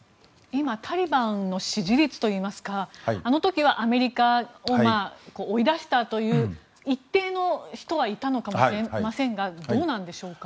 今タリバンの支持率といいますかあの時はアメリカを追い出したという一定の人はいたのかもしれませんがどうなんでしょうか。